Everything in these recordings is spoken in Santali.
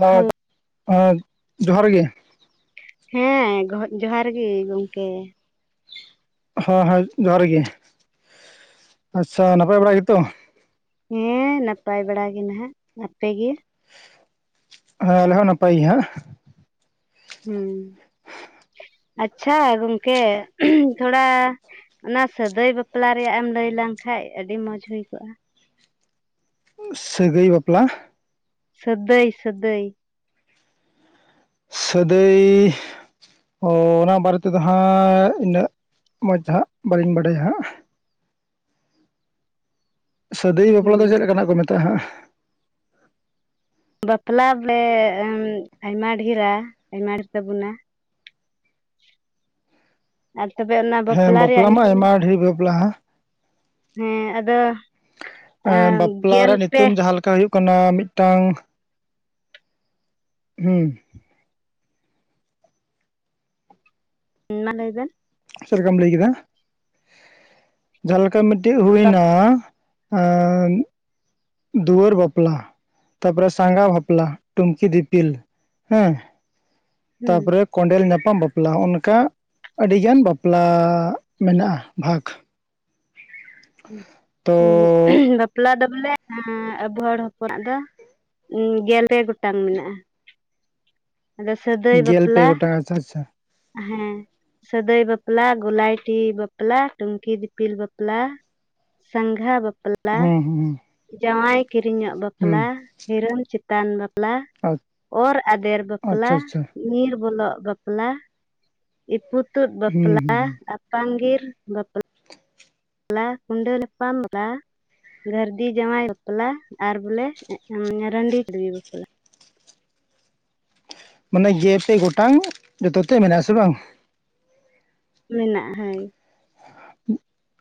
ᱦᱮᱸ, ᱦᱮᱞᱳ ᱦᱮᱸ, ᱡᱚᱦᱟᱸᱨ ᱜᱮ᱾ ᱦᱮᱸ ᱜᱚᱦᱚ ᱡᱚᱦᱟᱸᱨ ᱜᱮ, ᱜᱚᱝᱠᱮ᱾ ᱦᱮᱸ, ᱦᱮᱸ, ᱡᱚᱦᱟᱸᱨ ᱜᱮ, ᱟᱪᱪᱷᱟ ᱱᱟᱯᱟᱭ ᱵᱟᱲᱟ ᱜᱮᱛᱚ? ᱦᱮᱸ ᱱᱟᱯᱟᱭ ᱵᱟᱲᱟ ᱜᱮ ᱱᱟᱦᱟᱜ, ᱟᱯᱮ ᱜᱮ? ᱦᱮᱸ ᱟᱞᱮ ᱦᱚᱸ ᱱᱟᱯᱟᱭ ᱜᱮ ᱦᱟᱸᱜ᱾ ᱦᱩᱸ᱾ ᱟᱪᱪᱷᱟ ᱜᱚᱝᱠᱮ ᱩᱦ ᱛᱷᱚᱲᱟ ᱚᱱᱟ ᱥᱟᱹᱫᱟᱹᱭ ᱵᱟᱯᱞᱟ ᱨᱮᱭᱟᱜ ᱮᱢ ᱞᱟᱹᱭ ᱞᱟᱝᱠᱷᱟᱡ ᱟᱹᱰᱤ ᱢᱚᱸᱡᱽ ᱦᱩᱭ ᱠᱚᱜᱼᱟ᱾ ᱥᱟᱹᱜᱟᱹᱭ ᱵᱟᱯᱞᱟ? ᱥᱟᱹᱫᱟᱹᱭ ᱥᱟᱹᱫᱟᱹᱭ᱾ ᱥᱟᱹᱫᱟᱹᱭ ᱚᱻ ᱚᱱᱟ ᱵᱟᱨᱮ ᱛᱮᱫᱚ ᱦᱟᱸᱜ ᱤᱱᱟᱹᱜ ᱢᱚᱡᱽ ᱦᱟᱸᱜ ᱵᱟᱹᱞᱤᱧ ᱵᱟᱰᱟᱭᱟ ᱦᱟᱸᱜ᱾ ᱥᱟᱹᱫᱟᱹᱭ ᱦᱮᱸ ᱵᱟᱯᱞᱟ ᱫᱚ, ᱪᱮᱫ ᱞᱮᱠᱟᱱᱟᱜ ᱠᱚ, ᱢᱮᱛᱟᱜᱼᱟ ᱦᱟᱸᱜ? ᱵᱟᱯᱞᱟ ᱵᱮ ᱮᱸ ᱟᱭᱢᱟ ᱰᱷᱮᱨᱟ ᱟᱭᱢᱟ ᱰᱷᱮᱨ ᱛᱟᱵᱚᱱᱟ ᱟᱨ ᱛᱚᱵᱮ ᱚᱱᱟ ᱦᱮᱸ ᱵᱟᱯᱞᱟ ᱨᱮᱭᱟᱜ ᱢᱟ ᱧᱩᱛᱩᱢ ᱟᱭᱢᱟ ᱰᱷᱮᱨ ᱵᱟᱯᱞᱟ ᱦᱮᱸ ᱟᱫᱚ ᱮ ᱮᱸ, ᱵᱟᱯᱞᱟ ᱜᱮᱞ ᱨᱮ ᱯᱮ ᱱᱤᱛᱩᱢ ᱡᱟᱦᱟᱸ ᱞᱮ ᱛᱚ ᱦᱩᱭᱩᱜ ᱠᱟᱱᱟ ᱢᱤᱫᱴᱟᱝ, ᱦᱩᱸ ᱢᱟ ᱞᱟᱹᱭ ᱵᱮᱱ ᱪᱮᱫ ᱞᱮᱠᱟᱢ ᱞᱟᱹᱭ ᱠᱮᱫᱟ, ᱡᱟᱦᱟᱸᱞᱮᱠᱟ ᱢᱤᱫᱴᱳᱡ ᱵᱟᱯ- ᱦᱩᱭᱱᱟ ᱮᱸᱫ ᱫᱩᱣᱟᱹᱨ ᱵᱟᱯᱞᱟ ᱛᱟᱯᱚᱨᱮ ᱥᱟᱸᱜᱟ ᱵᱟᱯᱞᱟ, ᱴᱩᱝᱠᱤ ᱫᱤᱯᱤᱞ ᱦᱮᱸ, ᱦᱩᱸ ᱛᱟᱯᱚᱨᱮ ᱠᱚᱸᱰᱮᱞ ᱧᱟᱯᱟᱢ ᱵᱟᱯᱞᱟ ᱦᱚᱸᱜ-ᱚᱱᱠᱟ ᱟᱹᱰᱤ ᱜᱟᱱ ᱵᱟᱯᱞᱟ ᱢᱮᱱᱟᱜᱼᱟ ᱵᱷᱟᱜᱽ ᱛᱚ ᱦᱩᱸ, ᱩᱸ ᱵᱟᱯ ᱵᱟᱯᱞᱟ ᱫᱚ ᱵᱚᱞᱮ ᱮᱸᱻ ᱟᱵᱚ ᱦᱚᱲ ᱦᱚᱯᱚᱱᱟᱜ ᱫᱚ ᱜᱮᱞ ᱯᱮ ᱜᱚᱴᱟᱝ ᱢᱮᱱᱟᱜᱼᱟ ᱟᱫᱚ ᱥᱟᱹᱫᱟᱹᱭ ᱜᱮᱞ ᱯᱮ ᱵᱟᱯᱞᱟ ᱜᱚᱴᱟᱝ ᱟᱪᱪᱷᱟ ᱟᱪᱪᱷᱟ ᱦᱮᱸ ᱥᱟᱹᱫᱟᱹᱭ ᱵᱟᱯᱞᱟ ᱜᱳᱞᱟᱭᱴᱤ ᱵᱟᱯᱞᱟ ᱴᱩᱝᱠᱤ ᱫᱤᱯᱤᱞ ᱵᱟᱯᱞᱟ᱾ ᱥᱟᱸᱜᱷᱟ ᱵᱟᱯᱞᱟ ᱦᱮᱸ ᱦᱩᱸ ᱡᱟᱶᱟᱭ ᱠᱤᱨᱤᱧᱟᱜ ᱵᱟᱯᱞᱟ ᱦᱩᱸ ᱦᱤᱨᱢ ᱪᱷᱟᱹᱴ ᱛᱟᱱ ᱵᱟᱯᱞᱟ ᱚᱨ ᱟᱫᱮᱨ ᱵᱟᱯᱞᱟ ᱟᱪᱪᱷᱟ ᱟᱪᱪᱷᱟ ᱧᱤᱨ ᱵᱚᱞᱚᱜ ᱵᱟᱯᱞᱟ ᱛᱟᱨ ᱤᱯᱩᱛᱩᱫ ᱦᱩᱸ ᱵᱟᱯᱞᱟ ᱦᱩᱸ ᱟᱯᱟᱝᱜᱤᱨ ᱵᱟᱯᱞᱟ, ᱞᱟ ᱠᱩᱰᱳᱞ [unintelligible] ᱜᱟᱹᱨᱫᱤ ᱡᱟᱶᱟᱭ ᱵᱟᱯᱞᱟ ᱟᱨ ᱵᱚᱞᱮ ᱨᱟᱺᱰᱤ [unintelligible] ᱵᱟᱯᱞᱟ ᱢᱟᱱᱮ ᱡᱮᱛᱮ ᱜᱚᱴᱟᱝ ᱡᱚᱛᱮ ᱛᱮ ᱢᱮᱱᱟᱜ ᱟᱥ ᱵᱟᱝ᱾ ᱢᱮᱱᱟᱜᱼᱟ ᱦᱳᱭ,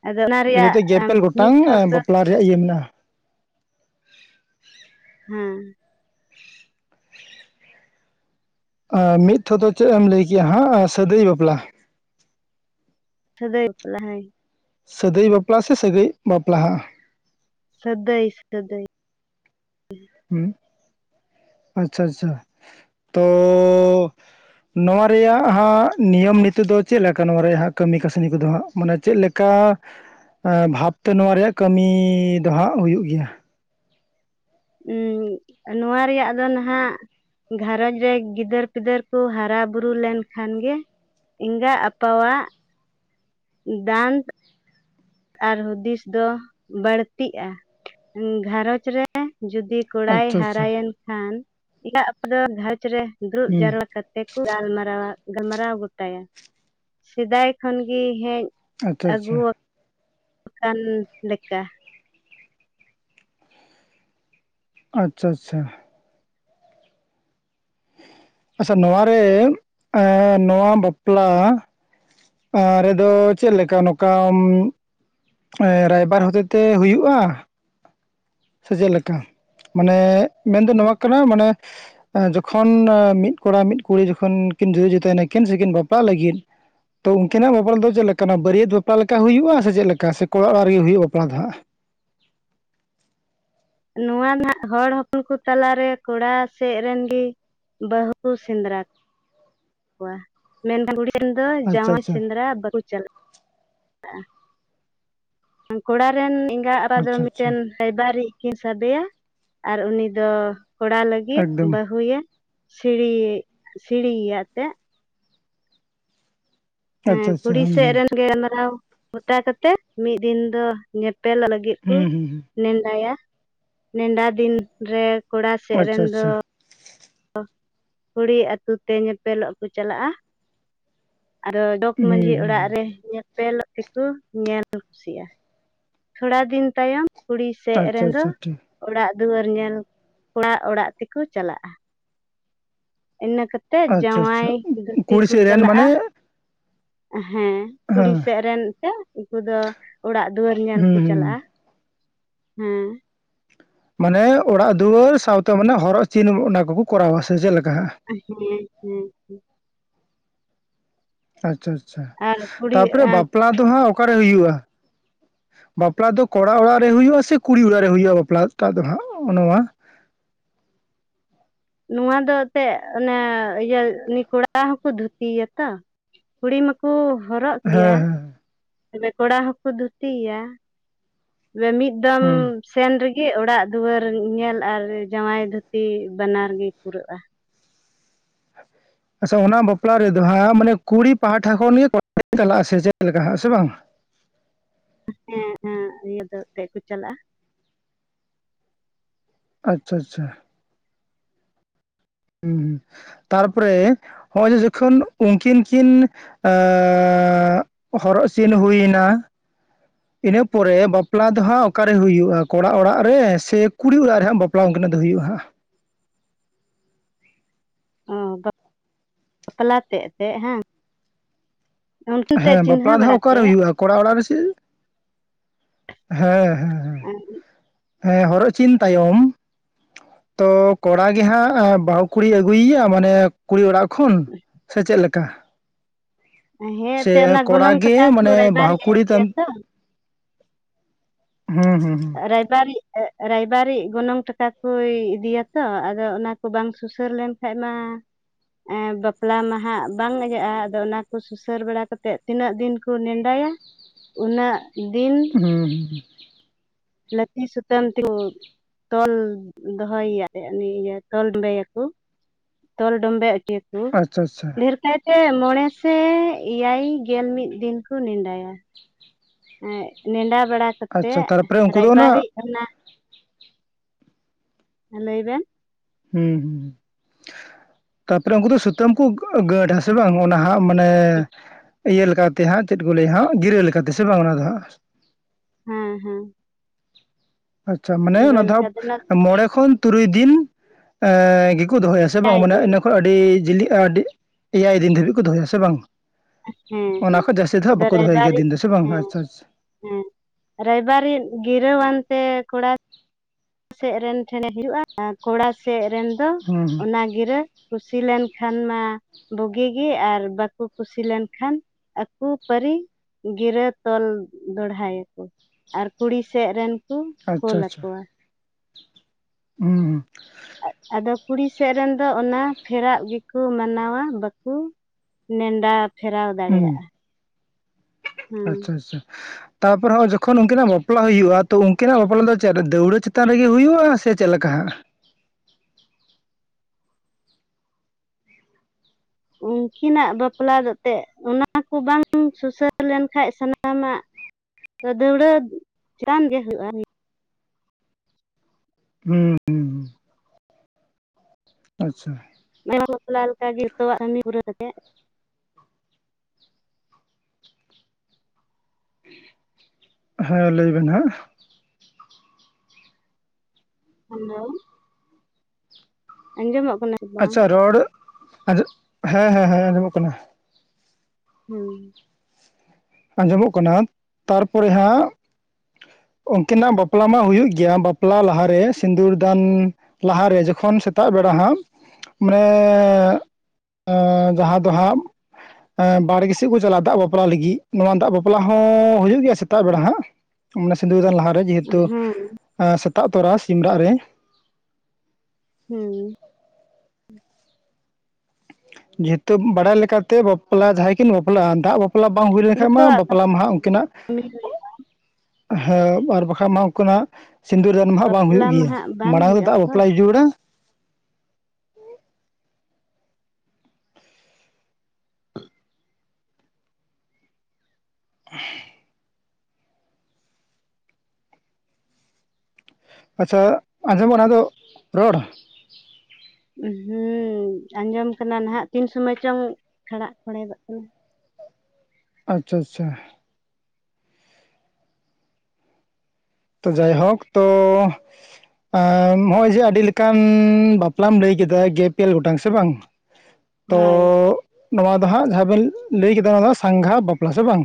ᱟᱫᱚ ᱚᱱᱟ ᱡᱚᱛᱷᱚ ᱨᱮᱭᱟᱜ ᱛᱮ ᱜᱮᱯᱮᱞ ᱢᱤᱫ ᱜᱚᱴᱟᱝ ᱛᱷᱚᱠ ᱫᱚ ᱵᱟᱯᱞᱟ ᱨᱮᱭᱟᱜ ᱤᱭᱟᱹ ᱢᱮᱱᱟᱜᱼᱟ᱾ ᱦᱮᱸ, ᱢᱤᱜ ᱛᱷᱚᱛᱚ ᱫᱚ ᱪᱮᱜ ᱮᱢ ᱞᱟᱹᱭ ᱠᱮᱜᱼᱟ ᱦᱟᱸᱜ ᱥᱟᱹᱫᱟᱹᱭ ᱵᱟᱯᱞᱟ? ᱥᱟᱹᱫᱟᱹᱭ ᱵᱟᱯᱞᱟ ᱦᱳᱭ, ᱥᱟᱹᱫᱟᱹᱭ ᱵᱟᱯᱞᱟ ᱥᱮ ᱥᱟᱹᱜᱟᱹᱭ ᱵᱟᱯᱞᱟ ᱦᱟᱜ, ᱥᱟᱹᱫᱟᱹᱭ ᱥᱟᱹᱫᱟᱹᱭ, ᱦᱩᱸ ᱟᱪᱪᱷᱟ ᱟᱪᱪᱷᱟ ᱛᱚ, ᱱᱚᱣᱟ ᱨᱮᱭᱟᱜ ᱦᱟᱸᱜ ᱱᱤᱭᱚᱢ ᱱᱤᱛᱤ ᱫᱚ ᱪᱮᱜ ᱞᱮᱠᱟ ᱱᱚᱣᱟ ᱨᱮᱭᱟᱜ ᱦᱟᱸᱜ ᱠᱟᱹᱢᱤ ᱠᱟᱹᱥᱱᱤ ᱠᱚᱫᱚ ᱦᱟᱸᱜ ᱢᱟᱱᱮ ᱪᱮᱜ ᱞᱮᱠᱟ? ᱠᱟ ᱵᱷᱟᱵᱛᱮ ᱱᱚᱣᱟ ᱨᱮᱭᱟᱜ ᱠᱟᱹᱢᱤ ᱫᱚ ᱦᱟᱸᱜ ᱦᱩᱭᱩᱜ ᱜᱮᱭᱟ? ᱩᱸᱢ ᱱᱚᱣᱟ ᱨᱮᱭᱟᱜ ᱫᱚ ᱱᱟᱦᱟᱜ, ᱜᱷᱟᱨᱚᱡᱽ ᱨᱮ ᱜᱤᱫᱟᱹᱨ ᱯᱤᱫᱟᱹᱨ ᱠᱚ ᱦᱟᱨᱟ ᱵᱩᱨᱩ ᱞᱮᱱᱠᱷᱟᱱ ᱜᱮ, ᱮᱸᱜᱟ ᱟᱸᱯᱟ ᱣᱟᱜ, ᱫᱟᱱ ᱟᱨ ᱦᱩᱫᱤᱥ ᱫᱚ ᱵᱟᱹᱲᱛᱤᱜᱼᱟ ᱜᱷᱟᱨᱚᱸᱡᱽ ᱨᱮ ᱡᱩᱫᱤ ᱠᱚᱲᱟᱭ ᱟᱪᱪᱷᱟ ᱟᱪᱪᱷᱟ ᱦᱟᱨᱟᱭᱮᱱ ᱠᱷᱟᱱ [unintelligible] ᱜᱷᱟᱨᱚᱸᱡᱽ ᱨᱮ ᱫᱩᱲᱩᱵ ᱦᱩᱸ ᱡᱟᱨᱣᱟ ᱠᱟᱛᱮ, ᱛᱮᱠᱩ ᱜᱟᱞᱢᱟᱨᱟᱣᱟ ᱜᱟᱞᱢᱟᱨᱟᱣ ᱜᱚᱴᱟᱭᱟ ᱥᱮᱫᱟᱭ ᱠᱷᱚᱱ ᱜᱮ ᱦᱮᱡ, ᱟᱪᱪᱷᱟ ᱟᱪᱪᱷᱟ᱾ ᱟᱹᱜᱩ ᱟᱠᱟᱱ ᱞᱮᱠᱟ ᱟᱪᱪᱷᱟ ᱟᱪᱪᱷᱟ, ᱟᱪᱪᱷᱟ ᱱᱚᱣᱟᱨᱮ ᱱᱚᱣᱟ ᱵᱟᱯᱞᱟ ᱨᱮᱫᱚ ᱪᱮᱜ ᱞᱮᱠᱟ ᱱᱚᱝᱠᱟᱢ? ᱨᱟᱭᱵᱟᱨ ᱦᱚᱛᱮᱡ ᱛᱮ ᱦᱩᱭᱩᱜᱼᱟ᱾ ᱥᱮ ᱪᱮᱜ ᱞᱮᱠᱟ ᱢᱟᱱᱮ ᱢᱮᱱ ᱫᱚ ᱱᱚᱣᱟ ᱠᱟᱱᱟ ᱢᱟᱱᱮ ᱡᱚᱠᱷᱚᱱ ᱢᱤᱫ ᱠᱚᱲᱟ ᱢᱤᱫ ᱠᱩᱲᱤ ᱡᱚᱠᱷᱚᱱ ᱠᱤᱱ ᱡᱩᱨᱤ ᱡᱚᱛᱟᱭ ᱱᱟᱠᱤᱱ ᱥᱮᱠᱤᱱ ᱵᱟᱯᱞᱟᱜ ᱞᱟᱹᱜᱤᱫ, ᱛᱚ ᱩᱱᱠᱤᱱᱟᱜ ᱵᱟᱯᱞᱟ ᱫᱚ ᱪᱮᱜ ᱞᱮᱠᱟ ᱚᱱᱟ ᱵᱟᱹᱨᱭᱟᱹᱛ ᱵᱟᱯᱞᱟ ᱞᱮᱠᱟ ᱦᱩᱭᱩᱜᱼᱟ ᱥᱮ ᱪᱮᱜ ᱞᱮᱠᱟ ᱥᱮ ᱠᱚᱲᱟ ᱟᱜ ᱤᱭᱟᱹ ᱦᱩᱭᱩᱜᱼᱟ ᱵᱟᱯᱞᱟ ᱫᱚ ᱦᱟᱸᱜ, ᱱᱚᱣᱟ ᱱᱟᱦᱟᱜ ᱦᱚᱲ ᱦᱚᱯᱚᱱ ᱠᱚ ᱛᱟᱞᱟᱨᱮ ᱠᱚᱲᱟ ᱥᱮᱜ ᱨᱮᱱ ᱜᱤ ᱵᱟᱹᱦᱩ ᱥᱮᱸᱫᱽᱨᱟ ᱠᱚᱣᱟ, ᱢᱮᱱᱠᱷᱟᱱ ᱠᱩᱲᱤ ᱥᱮᱱ ᱫᱚ ᱟᱪᱪᱷᱟ ᱡᱟᱶᱟᱭ ᱟᱪᱪᱷᱟ ᱥᱮᱸᱫᱽᱨᱟ ᱵᱟᱠᱩ ᱪᱟᱞᱟᱜᱼᱟ᱾ ᱠᱚᱲᱟ ᱨᱮᱱ ᱮᱸᱜᱟ ᱟᱯᱟ ᱫᱚ ᱟᱪᱪᱷᱟ ᱟᱪᱪᱷᱟ ᱢᱤᱫᱴᱮᱱ, ᱨᱟᱭᱵᱟᱨᱤᱡ ᱠᱤᱱ ᱥᱟᱵᱮᱭᱟ ᱟᱨ ᱩᱱᱤ ᱫᱚ ᱠᱚᱲᱟ ᱞᱟᱹᱜᱤᱫ ᱮᱠᱫᱚᱢ ᱵᱟᱹᱦᱩᱭᱮ ᱥᱤᱲᱤᱭ ᱥᱤᱲᱤᱭᱟ ᱮᱱᱛᱮᱫ ᱦᱮᱸ ᱟᱪᱪᱷᱟ ᱟᱪᱪᱷᱟ ᱠᱩᱲᱤ ᱦᱩᱸ ᱥᱮᱜ ᱨᱮᱱ, ᱜᱮ ᱢᱟᱨᱟᱣ ᱜᱳᱴᱟ ᱠᱟᱛᱮᱜ ᱢᱤᱜ ᱫᱤᱱ ᱫᱚ ᱧᱮᱯᱮᱞᱚᱜ ᱞᱟᱹᱜᱤᱫ ᱦᱩᱸ ᱠᱚ ᱦᱩᱸ ᱦᱩᱸ ᱱᱮᱱᱰᱟᱭᱟ ᱱᱮᱰᱟ ᱫᱤᱱ ᱨᱮ ᱠᱚᱲᱟ ᱦᱩᱸ ᱥᱮᱫ ᱟᱪᱪᱷᱟ ᱨᱮᱱ ᱫᱚ, ᱟᱪᱪᱷᱟ ᱠᱩᱲᱤ ᱟ ᱟᱹᱛᱩ ᱛᱮ ᱧᱮᱯᱮᱞᱚᱜ ᱠᱚ ᱪᱟᱞᱟᱜ-ᱟ᱾ ᱟᱫᱚ ᱡᱚᱜᱽ ᱦᱩᱸ ᱢᱟᱺᱡᱷᱤ ᱦᱩᱸ ᱚᱲᱟᱜ ᱦᱩᱸ ᱨᱮ ᱧᱮᱯᱮᱞᱚᱜ ᱛᱮᱠᱚ ᱧᱮᱞ ᱠᱩᱥᱤᱜ-ᱟ᱾ ᱛᱷᱚᱲᱟ ᱫᱤᱱ ᱛᱟᱭᱚᱢ ᱠᱩᱲᱤ ᱥᱮᱜ ᱟᱪᱪᱷᱟ ᱨᱮᱱ ᱫᱚ ᱟᱪᱪᱷᱟ ᱴᱷᱤᱠ ᱚᱲᱟᱜ ᱫᱩᱣᱟᱹᱨ ᱧᱮᱞ ᱠᱚᱲᱟ ᱚᱲᱟᱜ ᱛᱮᱠᱚ ᱪᱟᱞᱟᱜ-ᱟ, ᱤᱱᱟᱹ ᱠᱟᱛᱮ ᱛᱮᱜ ᱟᱪᱪᱷᱟ ᱟᱪᱪᱷᱟ ᱡᱟᱶᱟᱭ ᱜᱟᱹᱛᱤ ᱠᱩᱲᱤ ᱠᱚ ᱥᱮᱫ ᱨᱮᱱ ᱢᱟᱱᱮ ᱪᱟᱞᱟᱜ-ᱟ᱾ ᱦᱮᱸ ᱠᱩᱲᱤ ᱦᱮᱸ ᱥᱮᱜ ᱨᱮᱱ ᱮᱱᱛᱮᱜ ᱩᱱᱠᱩ ᱫᱚ ᱚᱲᱟᱜ ᱫᱩᱣᱟᱹᱨ, ᱧᱮᱞ ᱦᱩᱸ ᱠᱚ ᱦᱩᱸ ᱪᱟᱞᱟᱜᱼᱟ ᱦᱮᱸ, ᱢᱟᱱᱮ ᱚᱲᱟᱜ ᱫᱩᱣᱟᱹᱨ ᱥᱟᱶᱛᱮ ᱢᱟᱱᱮ ᱦᱚᱨᱚᱜ ᱪᱤᱱ ᱚᱱᱟ ᱠᱚᱠᱚ ᱠᱚᱨᱟᱣᱟ ᱥᱮ ᱪᱮᱜ ᱞᱮᱠᱟ ᱦᱟᱸᱜ? ᱦᱮᱸ ᱦᱮᱸ ᱦᱮᱸ, ᱟᱪᱪᱷᱟ ᱟᱪᱪᱷᱟ ᱟᱨ ᱠᱩᱲᱤ ᱛᱟᱯᱚᱨᱮ ᱵᱟᱯᱞᱟ ᱫᱚ ᱦᱟᱸᱜ ᱚᱠᱟᱨᱮ ᱦᱩᱭᱩᱜᱼᱟ? ᱵᱟᱯᱞᱟ ᱫᱚ ᱠᱚᱲᱟ ᱚᱲᱟᱜ ᱨᱮ ᱦᱩᱭᱩᱜ-ᱟ ᱥᱮ ᱠᱩᱲᱤ ᱚᱲᱟᱜ ᱨᱮ ᱦᱩᱭᱩᱜ-ᱟ ᱵᱟᱯᱞᱟ ᱴᱟᱜ ᱫᱚ ᱦᱟᱸᱜ ᱱᱚᱣᱟ ᱱᱚᱣᱟ ᱫᱚ ᱛᱮᱜ ᱚᱱᱮ ᱤᱭᱟᱹ ᱩᱱᱤ ᱠᱚᱲᱟ ᱦᱚᱸᱠᱚ ᱫᱷᱩᱛᱤᱭᱟ ᱛᱚ ᱠᱩᱲᱤ ᱢᱟᱠᱚ ᱦᱚᱨᱚᱜ ᱮᱭᱟ ᱦᱮᱸ ᱦᱮᱸ ᱛᱚᱵᱮ ᱠᱚᱲᱟ ᱦᱚᱠᱚ ᱫᱷᱩᱛᱤᱭᱟ᱾ ᱨᱮ ᱢᱤᱫ ᱫᱚᱢ ᱦᱩᱸ ᱥᱮᱱ ᱨᱮᱜᱮ ᱚᱲᱟᱜ ᱫᱩᱣᱟᱹᱨ ᱧᱮᱞ ᱟᱨ ᱡᱟᱶᱟᱭ ᱫᱷᱩᱛᱤ ᱵᱟᱱᱟᱨ ᱜᱮ ᱯᱩᱨᱟᱹᱜ-ᱟ ᱟᱪᱪᱷᱟ ᱚᱱᱟ ᱵᱟᱯᱞᱟ ᱨᱮᱫᱚ ᱦᱟᱸᱜ ᱢᱟᱱᱮ ᱠᱩᱲᱤ ᱯᱟᱦᱟᱴᱟ ᱠᱷᱚᱱ ᱜᱮ ᱪᱟᱞᱟᱜ-ᱟ ᱥᱮ ᱪᱮᱫ ᱞᱮᱠᱟ ᱦᱟᱜ ᱥᱮ ᱵᱟᱝ ᱦᱮᱸ ᱦᱮᱸ ᱤᱭᱟᱹ ᱫᱚ ᱛᱮ ᱠᱚ ᱪᱟᱞᱟᱜ-ᱟ ᱟᱪᱪᱷᱟ ᱟᱪᱪᱷᱟ ᱦᱩᱸ ᱦᱩᱸᱛᱟᱨᱯᱚᱨᱮ ᱦᱚᱜ-ᱚᱭ ᱡᱮ ᱡᱚᱠᱷᱚᱱ ᱩᱱᱠᱤᱱ ᱠᱤᱱ ᱟ ᱦᱚᱨᱚᱜ ᱪᱤᱱ ᱦᱩᱭᱱᱟ ᱤᱱᱟᱹ ᱯᱚᱨᱮ ᱵᱟᱯᱞᱟ ᱫᱚ ᱦᱟᱸᱜ ᱚᱠᱟᱨᱮ ᱦᱩᱭᱩᱜ-ᱟ ᱠᱚᱲᱟ ᱚᱲᱟᱜ ᱨᱮ ᱥᱮ ᱠᱩᱲᱤ ᱚᱲᱟᱜ ᱨᱮ ᱦᱟᱸᱜ ᱵᱟᱯᱞᱟ ᱩᱝᱠᱤᱱᱟᱜ ᱫᱚ ᱦᱟᱜ ᱦᱩᱭᱩᱜ-ᱟ ᱦᱟᱸᱜ ᱚ ᱵᱟᱯᱞᱟ ᱛᱮᱜ ᱫᱮ ᱦᱟ ᱚᱱᱛᱮᱜ ᱦᱟᱸᱜ ᱦᱮᱸ ᱪᱤᱱᱦᱟᱹ ᱵᱟᱯᱞᱟ ᱫᱚ ᱵᱟᱲᱟ ᱦᱟᱸᱜ ᱚᱠᱟᱨᱮ ᱛᱮᱜ ᱦᱩᱭᱩᱜᱼᱟ ᱠᱚᱲᱟ ᱚᱲᱟᱜ ᱨᱮ ᱥᱮ ᱦᱮᱸ ᱦᱮᱸ ᱦᱮᱸ ᱦᱚᱨᱚᱜᱪᱤᱱ ᱛᱟᱭᱚᱢ ᱛᱚ ᱠᱚᱲᱟ ᱜᱮ ᱦᱟᱸᱜ ᱵᱟᱹᱦᱩ ᱠᱩᱲᱤ ᱟᱹᱜᱩᱭᱭᱟ ᱢᱟᱱᱮ ᱠᱩᱲᱤ ᱚᱲᱟᱜ᱾ ᱠᱷᱚᱱ ᱥᱮ ᱪᱮᱫ ᱞᱮᱠᱟ ᱦᱮᱸ ᱛᱮ ᱥᱮ ᱚᱱᱟ ᱠᱚᱲᱟ ᱜᱚᱱᱚᱝ ᱴᱟᱠᱟ ᱜᱮ ᱠᱚ ᱢᱟᱱᱮ ᱨᱟᱭᱵᱟᱨᱤ ᱵᱟᱹᱦᱩ ᱠᱩᱲᱤ ᱜᱮᱭᱟ ᱛᱟᱢ ᱛᱚ᱾ ᱦᱩᱸ ᱦᱩᱸ ᱦᱩᱸ ᱨᱟᱭᱵᱟᱨᱤᱜ ᱨᱟᱭᱵᱟᱨᱤᱜ ᱜᱚᱱᱚᱝ ᱴᱟᱠᱟ ᱠᱚᱭ ᱤᱫᱤᱭᱟ ᱛᱚ ᱟᱫᱚ ᱚᱱᱟ ᱠᱚ ᱵᱟᱝ ᱥᱩᱥᱟᱹᱨ ᱞᱮᱱᱠᱷᱟᱡ ᱢᱟ ᱵᱟᱯᱞᱟ ᱢᱟᱦᱟᱜ ᱵᱟᱝ ᱟᱸᱡᱟᱜ-ᱟ ᱟᱫᱚ ᱚᱱᱟ ᱠᱚ ᱥᱩᱥᱟᱹᱨ ᱵᱟᱲᱟ ᱠᱟᱛᱮᱜ ᱛᱤᱱᱟᱹᱜ ᱫᱤᱱ ᱠᱚ ᱱᱮᱰᱟᱭᱟ ᱩᱱᱟᱹᱜ᱾ ᱦᱩᱸ ᱦᱩᱸ ᱞᱟᱯᱤ ᱥᱩᱛᱢ [unintelligible] ᱛᱚᱞ ᱫᱚᱦᱚᱭᱟᱞᱮ ᱤᱭᱟᱹ ᱛᱚᱞ ᱛᱚᱞᱮᱭᱟᱠᱚ ᱛᱚᱞ ᱰᱚᱢᱵᱮ ᱟᱡᱤᱯ ᱟᱪᱪᱷᱟ ᱟᱪᱪᱷᱟ ᱰᱷᱮᱨ ᱠᱟᱭᱛᱮ ᱢᱚᱬᱮ ᱥᱮ ᱮᱭᱟᱭ ᱜᱮᱞ ᱢᱤᱫ ᱫᱤᱱ ᱠᱚ ᱱᱮᱰᱟᱭᱟ᱾ ᱮᱜ ᱱᱮᱰᱟ ᱵᱟᱲᱟ ᱟᱪᱪᱷᱟ ᱠᱟᱛᱮᱜ ᱛᱟᱨᱯᱚᱨᱮ ᱩᱱᱠᱩ ᱫᱚ ᱨᱟᱭᱵᱟᱨᱤᱡ ᱚᱱᱟ ᱞᱟᱹᱭ ᱵᱮᱱ ᱦᱩᱸ ᱦᱩᱸ ᱛᱟᱯᱚᱨᱮ ᱩᱱᱠᱩ ᱫᱚ ᱥᱩᱛᱟᱹᱢ ᱠᱚ ᱜᱟᱹᱰᱟ ᱥᱮ ᱵᱟᱝ ᱚᱱᱟ ᱦᱟᱜ ᱢᱟᱱᱮ ᱤᱭᱟᱹ ᱞᱮᱠᱟ ᱛᱮ ᱦᱟᱸᱜ ᱪᱮᱫ ᱠᱚ ᱞᱟᱹᱭᱟ ᱦᱟᱸᱜ ᱜᱤᱨᱟᱹ ᱞᱮᱠᱟᱛᱮ ᱥᱮ ᱵᱟᱝ ᱚᱱᱟ ᱫᱚ ᱦᱟᱸᱜ ᱦᱮᱸ ᱦᱮᱸ ᱟᱪᱪᱷᱟ ᱢᱟᱱᱮ ᱜᱤᱨᱟᱹ ᱚᱱᱟ ᱞᱮᱠᱟ ᱫᱚᱦᱟᱜ ᱫᱚ ᱢᱚᱬᱮ ᱠᱷᱚᱱ ᱛᱩᱨᱩᱭ ᱫᱤᱱ ᱮᱸ ᱜᱮᱠᱚ ᱫᱚᱦᱚᱭᱟ ᱥᱮ ᱵᱟᱝ ᱱᱟᱥᱠᱟᱭ ᱢᱟᱱᱮ ᱜᱤᱧ ᱤᱱᱟᱹ ᱠᱷᱚᱜ ᱟᱹᱰᱤ ᱡᱤᱞᱤᱜ-ᱟ [unintelligible] ᱟᱹᱰᱤ ᱮᱭᱟᱭ ᱫᱤᱱ ᱫᱷᱟᱹᱵᱤᱡ ᱠᱚ ᱫᱚᱦᱚᱭᱟ ᱥᱮ ᱵᱟᱝ? ᱦᱮᱸ ᱚᱱᱟ ᱦᱮᱸ ᱠᱷᱚᱡ ᱡᱟᱹᱥᱛᱤ ᱫᱚᱦᱟᱜ ᱟᱫᱚ ᱵᱟᱠᱚ ᱫᱚᱦᱚᱭ ᱜᱮᱭᱟ ᱨᱟᱭᱵᱟᱨᱤᱡ ᱫᱤᱱ ᱫᱚᱥᱮ ᱵᱟᱝ? ᱦᱮᱸ ᱟᱪᱪᱷᱟ ᱟᱪᱪᱷᱟ ᱼᱼ ᱦᱮᱸ ᱨᱟᱭᱵᱟᱨᱤᱡ ᱜᱤᱨᱟᱹᱣᱟᱱᱛᱮ ᱠᱚᱲᱟ ᱼᱼ ᱥᱮᱫ ᱨᱮᱱ ᱴᱷᱮᱱᱮ ᱦᱩᱭᱩᱜᱼᱟ᱾ ᱠᱚᱲᱟ ᱥᱮᱜ ᱨᱮᱱ ᱫᱚ ᱦᱩᱸ ᱚᱱᱟ ᱜᱤᱨᱟᱹ ᱼᱼ ᱠᱩᱥᱤ ᱞᱮᱱᱠᱷᱟᱱ ᱢᱟ ᱵᱩᱜᱤ ᱜᱮ᱾ ᱟᱨ ᱵᱟᱠᱚ ᱠᱩᱥᱤ ᱞᱮᱱᱠᱷᱟᱱ ᱼᱼ ᱟᱠᱚ ᱯᱟᱨᱤ ᱜᱤᱨᱟᱹ ᱛᱚᱞ ᱫᱚᱲᱦᱟᱭᱟᱠᱚ। ᱟᱨ ᱠᱩᱲᱤ ᱥᱮᱫ ᱨᱮᱱᱠᱩ ᱦᱩᱸ ᱟᱪᱪᱷᱟ ᱠᱚᱞ ᱟᱪᱪᱷᱟ ᱟᱠᱚᱣᱟ। ᱦᱩᱸ ᱦᱩᱸ ᱟᱜ ᱟᱫᱚ ᱠᱩᱲᱤ ᱥᱮᱫ ᱨᱮᱱ ᱫᱚ ᱚᱱᱟ ᱯᱷᱮᱨᱟᱜ ᱜᱮᱠᱚ ᱢᱟᱱᱟᱣᱟ᱾ ᱵᱟᱠᱚ ᱼᱼ ᱱᱮᱰᱟ ᱯᱷᱮᱨᱟᱣ ᱦᱩᱸ ᱫᱟᱲᱮᱭᱟᱜᱼᱟ। ᱦᱮᱸ ᱟᱪᱪᱷᱟ ᱟᱪᱪᱷᱟ ᱛᱟᱯᱚᱨᱮ ᱦᱚᱸ ᱡᱚᱠᱷᱚᱱ ᱩᱱᱠᱤᱱᱟᱜ ᱵᱟᱯᱞᱟ ᱛᱟᱯᱚᱨᱮ ᱦᱚᱜ ᱡᱚᱠᱦᱚᱱ ᱩᱱᱠᱤᱱᱟᱜ ᱵᱟᱯᱞᱟ ᱦᱩᱭᱩᱜ-ᱟ ᱛᱚ ᱩᱱᱠᱤᱱᱟᱜ ᱵᱟᱯᱞᱟ ᱫᱚ ᱪᱮᱫ ᱫᱟᱹᱣᱲᱟᱹ ᱪᱮᱛᱟᱱ ᱨᱮᱜᱮ ᱦᱩᱭᱩᱜ-ᱟ ᱥᱮ ᱪᱮᱫ ᱞᱮᱠᱟ ᱦᱟᱜ ᱞᱮᱠᱟ ᱦᱜ ᱩᱱᱠᱤᱱᱟᱜ ᱵᱟᱯᱞᱟ ᱫᱚ ᱛᱮᱜ ᱚᱱᱟᱠᱟ ᱵᱟᱝ ᱥᱩᱥᱟᱹᱨ ᱞᱮᱱᱠᱟᱱᱡ ᱥᱟᱱᱟᱢᱟᱜ ᱫᱟᱹᱣᱲᱟᱹ ᱪᱟᱱ ᱜᱮ ᱦᱩᱭᱩᱜ-ᱟ ᱦᱩᱸ ᱦᱩᱸ ᱦᱩᱸ ᱟᱪᱪᱷᱟ ᱢᱟᱱᱮ ᱵᱟᱯᱞᱟ ᱞᱮᱠᱟ ᱜᱮ ᱡᱷᱚᱛᱚ ᱣᱟᱜ ᱦᱟᱺᱰᱤ ᱯᱟᱹᱨᱣᱟᱹ ᱟᱛᱮᱫ ᱼᱼ ᱦᱮᱸ ᱞᱟᱹᱭ ᱵᱮᱱ ᱦᱮᱸ ᱦᱮᱞᱳ ᱟᱸᱡᱚᱢᱚᱜ ᱠᱟᱱᱟ? ᱥᱮ ᱵᱟᱝ ᱟᱪᱪᱷᱟ ᱨᱚᱲ ᱟᱸᱡᱚ ᱦᱮᱸ ᱦᱮᱸ ᱦᱮᱸ ᱟᱸᱡᱚᱢᱚᱜ ᱠᱟᱱᱟ। ᱦᱩᱸ ᱟᱸᱡᱚᱢᱚᱜ ᱠᱟᱱᱟ ᱛᱟᱨᱯᱚᱨᱮ ᱦᱟᱸᱜ ᱼᱼ ᱩᱱᱠᱤᱱᱟᱜ ᱵᱟᱯᱞᱟ ᱢᱟ ᱦᱩᱭᱩᱜ ᱜᱮᱭᱟ᱾ ᱵᱟᱯᱞᱟ ᱞᱟᱦᱟᱨᱮ ᱥᱤᱸᱫᱩᱨ ᱫᱟᱱ ᱼᱼ ᱞᱟᱦᱟᱨᱮ᱾ ᱡᱚᱠᱷᱚᱱ ᱥᱮᱛᱟᱜ ᱵᱮᱲᱟ ᱦᱟᱸᱜ ᱢᱟᱱᱮ ᱼᱼ ᱮᱸᱻ ᱡᱟᱦᱟᱸ ᱫᱚ ᱦᱟᱸᱜ ᱮᱸᱻ ᱵᱟᱲᱜᱮ ᱥᱮᱫ ᱠᱚ ᱪᱟᱞᱟᱜ ᱫᱟᱜ ᱵᱟᱯᱞᱟ ᱞᱟᱹᱜᱤᱫ᱾ ᱱᱚᱣᱟ ᱫᱟᱜ ᱵᱟᱯᱞᱟ ᱦᱚᱸᱻ ᱦᱩᱭᱩᱜ ᱜᱮᱭᱟ ᱥᱮᱛᱟᱜ ᱵᱮᱲᱟ ᱦᱟᱸᱜ ᱢᱟᱱᱮ ᱥᱸᱫᱩᱟᱱ ᱞᱟᱦᱟᱨᱮ᱾ ᱡᱮᱦᱮᱛᱩ ᱦᱮᱸ ᱼᱼ ᱟ ᱥᱮᱛᱟᱜ ᱛᱚᱨᱟ ᱥᱤᱢᱨᱟᱜ ᱨᱮ। ᱦᱩᱸ ᱡᱮᱦᱮᱛᱩ ᱵᱟᱲᱟᱭ ᱞᱮᱠᱟᱛᱮ ᱵᱟᱯᱞᱟ ᱡᱟᱦᱟᱸᱭ ᱠᱤᱱ ᱵᱟᱯᱞᱟᱜᱼᱟ ᱫᱟᱜ ᱵᱟᱯᱞᱟ [inaudible] ᱞᱟ [unintelligible] ᱵᱟᱯᱞᱟ ᱵᱟᱝ ᱦᱩᱭ ᱞᱮᱱᱠᱷᱟᱡ ᱢᱟ ᱡᱚᱛᱚᱣᱟᱜ ᱵᱟᱯᱞᱟ ᱢᱟ ᱦᱟᱸᱜ ᱩᱱᱠᱤᱱᱟᱜ ᱼᱼ ᱠᱟᱹᱢᱤ ᱦᱩᱭᱩᱜᱼᱟ ᱦᱮᱸ ᱟᱨ ᱵᱟᱠᱷᱟᱱᱡ ᱢᱟ ᱚᱱᱠᱟᱱᱟᱜ ᱥᱤᱸᱫᱩᱨ ᱫᱟᱱ ᱢᱟ ᱦᱟᱸᱜ ᱵᱟᱝ ᱵᱟᱯᱞᱟ ᱦᱩᱭᱩᱜ ᱢᱟ ᱜᱮᱭᱟ᱾ ᱦᱟᱸᱜ ᱵᱟᱝ ᱢᱟᱲᱟᱝ ᱫᱚ ᱦᱩᱭᱩᱜᱼᱟ ᱫᱟᱜ ᱛᱷᱚ ᱵᱟᱯᱞᱟᱭ ᱡᱩᱲᱟ [inaudible] ᱟᱪᱪᱷᱟ ᱟᱸᱡᱚᱢᱚᱜ ᱚᱱᱟ ᱫᱚ ᱨᱚᱲ᱾ ᱦᱮᱸ ᱟᱸᱡᱚᱢ ᱠᱟᱱᱟ ᱱᱟᱦᱟᱜ ᱛᱤᱱ ᱥᱚᱢᱚᱭ ᱪᱚᱝ ᱠᱷᱟᱲᱟᱜ ᱠᱷᱲᱮᱫᱚᱜ ᱠᱟᱱᱟ। ᱟᱪᱪᱷᱟ ᱟᱪᱪᱷᱟ ᱥᱮ ᱛᱚ ᱡᱟᱭᱦᱳᱠ ᱛᱚ ᱼᱼ ᱮᱸᱻ ᱱᱚᱜ ᱚᱭ ᱡᱮ ᱟᱹᱰᱤ ᱞᱮᱠᱟᱱ ᱵᱟᱯᱞᱟᱢ ᱞᱟᱹᱭ ᱠᱮᱫᱟ ᱜᱮᱯᱮᱞ ᱜᱚᱴᱟᱝ ᱥᱮ ᱵᱟᱝ᱾ [inaudible] ᱛᱚ ᱱᱚᱣᱟ ᱫᱚ ᱦᱟᱸᱜ ᱡᱟᱦᱟᱸ ᱵᱮᱱ ᱞᱟᱹᱭ ᱠᱮᱫᱟ ᱱᱚᱣᱟ ᱫᱚ ᱥᱟᱸᱜᱷᱟ ᱵᱟᱯᱞᱟ ᱥᱮ ᱵᱟᱝ?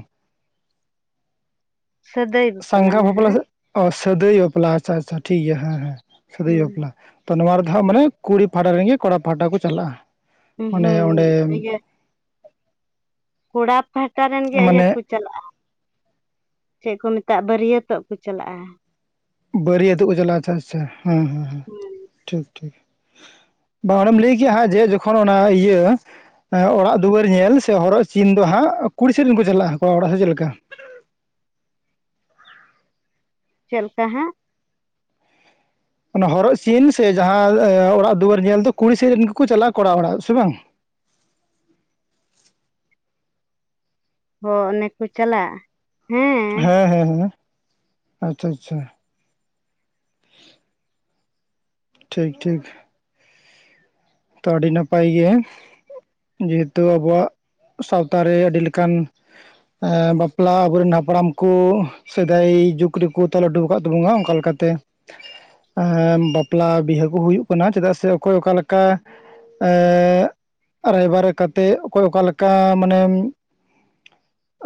ᱥᱟᱹᱫᱟᱹᱭ ᱥᱟᱝᱜᱟᱷᱟ ᱵᱟᱯᱞᱟ ᱱᱟᱦᱟᱜ ᱥᱮ? ᱚ ᱥᱟᱹᱫᱟᱹᱭ ᱵᱟᱯᱞᱟ ᱟᱪᱪᱷᱟ ᱟᱪᱪᱷᱟ ᱴᱷᱤᱠ ᱜᱮᱭᱟ ᱦᱮᱸ ᱦᱮᱸ ᱥᱟᱹᱫᱟᱹᱭ ᱵᱟᱯᱞᱟ। ᱦᱮᱸ ᱛᱚ ᱱᱚᱣᱟ ᱨᱮᱫᱚ ᱦᱸᱟᱜ ᱢᱟᱱᱮ ᱠᱩᱲᱤ ᱯᱟᱦᱴᱟ ᱨᱮᱱᱜᱮ ᱠᱚᱲᱟ ᱯᱟᱦᱴᱟ ᱠᱚ ᱪᱟᱞᱟᱜᱼᱟ। ᱦᱩᱸ ᱢᱟᱱᱮ ᱦᱩᱸ ᱚᱸᱰᱮ ᱤᱭᱟᱹ। ᱠᱚᱲᱟ ᱯᱟᱦᱴᱟ ᱨᱮᱱ ᱜᱮ ᱤᱭᱟᱹ ᱢᱟᱱᱮ ᱠᱚ ᱼᱼ ᱪᱟᱞᱟᱜᱼᱟ ᱪᱮᱫ ᱠᱚ ᱢᱮᱛᱟᱜᱼᱟ ᱵᱟᱹᱨᱭᱟᱹᱛᱚᱜ ᱠᱚ ᱪᱟᱞᱟᱜᱼᱟ। ᱵᱟᱹᱨᱭᱟᱹᱛᱚᱜ ᱠᱚ ᱪᱟᱞᱟᱜᱼᱟ ᱟᱪᱪᱷᱟ ᱥᱮ ᱦᱮᱸ ᱦᱮᱸ ᱦᱮᱸ ᱴᱷᱤᱠ ᱴᱷᱤᱠ। ᱵᱟᱝ ᱚᱸᱰᱮᱢ ᱞᱟᱹᱭ ᱠᱮ ᱦᱟᱸᱜ ᱡᱮ ᱡᱚᱠᱷᱚᱱ ᱚᱱᱟ ᱤᱭᱟᱹ ᱼᱼ ᱚᱲᱟᱜ ᱫᱩᱣᱟᱹᱨ ᱧᱮᱞ ᱥᱮ ᱦᱚᱨᱚᱜ ᱪᱤᱱ ᱫᱚ ᱦᱟᱸᱜ ᱠᱩᱲᱤ ᱥᱮᱫ ᱨᱮᱱ ᱠᱚ ᱪᱟᱞᱟᱜᱼᱟ ᱠᱚᱲᱟ ᱚᱲᱟᱜ ᱥᱮ ᱪᱮᱫ ᱞᱮᱠᱟ? ᱪᱮᱫ ᱞᱮᱠᱟ ᱦᱟᱸᱜ ᱼᱼ ᱚᱱᱟ ᱦᱚᱨᱚᱜ ᱥᱤᱱ ᱥᱮ ᱡᱟᱦᱟᱸ ᱚᱲᱟᱜ ᱫᱩᱣᱟᱹᱨ ᱧᱮᱞ ᱫᱚ ᱠᱩᱲᱤ ᱥᱮᱫ ᱨᱮᱱ ᱜᱮᱠᱚ ᱪᱟᱞᱟᱜᱼᱟ ᱠᱚᱲᱟ ᱚᱲᱟᱜ ᱥᱮ ᱵᱟᱝ? ᱦᱚᱸ ᱚᱱᱮ ᱠᱚ ᱪᱟᱞᱟᱜ᱾ ᱦᱮᱸ ᱦᱮᱸ ᱦᱮᱸ᱾ ᱟᱪᱪᱷᱟ ᱟᱪᱪᱷᱟ᱾ ᱴᱷᱤᱠ ᱴᱷᱤᱠ᱾ ᱛᱚ ᱟᱹᱰᱤ ᱱᱟᱯᱟᱭ ᱜᱮ᱾ ᱡᱮᱦᱮᱛᱩ ᱟᱵᱚᱣᱟᱜ ᱥᱟᱶᱛᱟᱨᱮ ᱟᱹᱰᱤ ᱞᱮᱠᱟᱱ ᱵᱟᱯᱞᱟ ᱟᱵᱚᱨᱮᱱ ᱦᱟᱯᱲᱟᱢ ᱠᱚ ᱥᱮᱫᱟᱭ ᱡᱩᱜᱽ ᱨᱮᱠᱚ ᱛᱟᱞ ᱦᱚᱴᱩ ᱟᱠᱟᱜ ᱛᱟᱵᱚᱱᱟ ᱾ᱚᱱᱠᱟ ᱞᱮᱠᱟᱛᱮ ᱦᱮᱸ ᱵᱟᱯᱞᱟ ᱵᱤᱦᱟᱹ ᱠᱚ ᱦᱩᱭᱩᱜ ᱠᱟᱱᱟ᱾ ᱪᱮᱫᱟᱜ ᱥᱮ ᱚᱠᱚᱭ ᱚᱠᱟ ᱞᱮᱠᱟ ᱮᱻ ᱨᱟᱭᱵᱟᱨ ᱠᱟᱛᱮᱫ ᱚᱠᱚᱭ ᱚᱠᱟ ᱞᱮᱠᱟ ᱢᱟᱱᱮ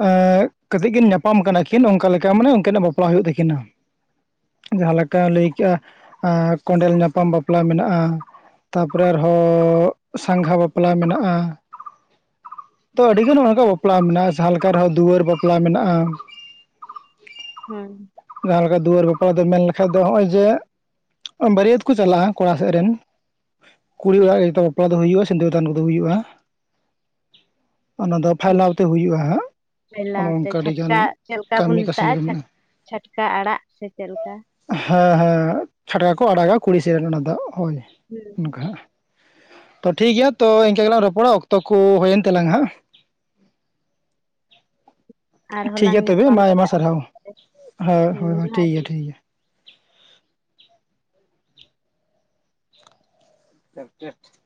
ᱮᱜ ᱠᱟᱹᱛᱤᱜ ᱠᱤᱱ ᱧᱟᱯᱟᱢ ᱠᱟᱱᱟ ᱠᱤᱱ ᱾ᱚᱱᱠᱟ ᱞᱮᱠᱟ ᱢᱟᱱᱮ ᱩᱱᱠᱤᱱᱟᱜ ᱵᱟᱯᱞᱟ ᱦᱩᱭᱩᱜ ᱛᱟᱹᱠᱤᱱᱟ᱾ ᱡᱟᱦᱟᱸ ᱞᱮᱠᱟ ᱞᱟᱹᱭ ᱠᱮᱜᱼᱟ ᱠᱚᱸᱰᱮᱞ ᱧᱟᱯᱟᱢ ᱵᱟᱯᱞᱟ ᱢᱮᱱᱟᱜᱼᱟ ᱛᱟᱨᱯᱚᱨᱮ ᱟᱨᱦᱚᱸ ᱥᱟᱸᱜᱷᱟ ᱵᱟᱯᱞᱟ ᱢᱮᱱᱟᱜᱼᱟ᱾ ᱛᱚ ᱟᱹᱰᱤᱜᱟᱱ ᱱᱚᱜ ᱚᱝᱠᱟ ᱵᱟᱯᱞᱟ ᱢᱮᱱᱟᱜᱼᱟ ᱡᱟᱦᱟᱸᱞᱮᱠᱟ ᱨᱮᱦᱚᱸ ᱫᱩᱣᱟᱹᱨ ᱵᱟᱯᱞᱟ ᱢᱮᱱᱟᱜᱼᱟ। ᱦᱩᱸ ᱡᱟᱦᱟᱸ ᱞᱮᱠᱟ ᱫᱩᱣᱟᱹᱨ ᱵᱟᱯᱞᱟ ᱫᱚ ᱢᱮᱱ ᱞᱮᱠᱷᱟᱡ ᱫᱚ ᱱᱚᱜ ᱚᱭ ᱡᱮ ᱵᱟᱹᱨᱭᱟᱹᱛ ᱠᱚ ᱪᱟᱞᱟᱜᱼᱟ ᱠᱚᱲᱟ ᱥᱮᱫ ᱨᱮᱱ᱾ ᱠᱩᱲᱤ ᱚᱲᱟᱜ ᱨᱮᱫᱚ ᱵᱟᱯᱞᱟ ᱫᱚ ᱦᱩᱭᱩᱜᱼᱟ ᱥᱤᱸᱫᱩᱨ ᱫᱟᱱ ᱠᱚᱫᱚ ᱦᱩᱭᱩᱜᱼᱟ। ᱚᱱᱟ ᱫᱚ ᱯᱷᱟᱭᱞᱟᱣ ᱛᱮ ᱦᱩᱭᱩᱜᱼᱟ ᱾ ᱵᱮᱞᱟᱣ ᱛᱮ ᱪᱷᱟᱹᱴᱠᱟ, ᱪᱮᱫ ᱞᱮᱠᱟ ᱵᱚᱱ ᱠᱟᱹᱢᱤ ᱠᱟᱹᱥᱱᱤ ᱠᱚ ᱢᱮᱛᱟᱜᱼᱟ᱾ ᱢᱮᱱᱟᱜᱼᱟ ᱪᱷᱟᱹᱴᱠᱟ ᱟᱲᱟᱜ ᱥᱮ ᱪᱮᱫ ᱞᱮᱠᱟ? ᱦᱮᱸ ᱦᱮᱸ ᱪᱷᱟᱹᱴᱠᱟ ᱠᱚ ᱟᱲᱟᱜᱟ ᱠᱩᱲᱤ ᱥᱮ ᱨᱮᱱ ᱚᱱᱟ ᱫᱚ ᱾ᱦᱳᱭ ᱦᱩᱸ ᱚᱱᱠᱟ ᱦᱟᱸᱜ ᱛᱚ ᱴᱷᱤᱠ ᱜᱮᱭᱟ ᱛᱚ ᱤᱱᱠᱟᱹ ᱜᱮᱞᱟᱝ ᱨᱚᱯᱚᱲᱟ, ᱚᱠᱛᱚ ᱠᱚ ᱦᱩᱭᱮᱱ ᱛᱮᱞᱟᱝ ᱦᱟᱸᱜ᱾ [inaudible] ᱴᱷᱤᱠ ᱞᱟᱝ ᱜᱮᱭᱟ ᱛᱚᱵᱮ ᱧᱟᱯᱟᱢ ᱟᱭᱢᱟ ᱟᱭᱢᱟ ᱫᱚᱲᱦᱟᱜᱼᱟ ᱥᱟᱨᱦᱟᱣ᱾ ᱦᱮᱭ ᱦᱩᱸ ᱦᱳᱭ ᱦᱳᱭ ᱴᱷᱤᱠ ᱡᱚᱦᱟᱨ᱾ ᱜᱮᱭᱟ ᱴᱷᱤᱠ ᱜᱮᱭᱟ᱾ [unintelligible]